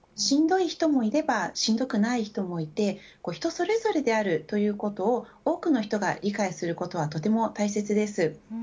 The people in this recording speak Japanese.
しんどい人もいればしんどくない人もいて人それぞれであるということを多くの人が理解することはとても大切です。